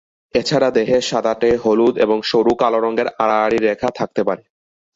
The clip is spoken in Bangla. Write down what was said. এছাড়া দেহে সাদাটে, হলুদ এবং সরু কালো রঙের আড়াআড়ি রেখা থাকতে পারে।